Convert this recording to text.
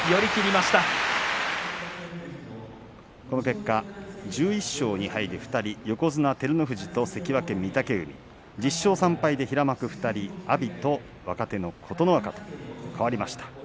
この結果、１１勝２敗で横綱照ノ富士と関脇御嶽海１０勝３敗で平幕２人阿炎と若手の琴ノ若と変わりました。